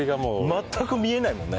全く見えないもんね。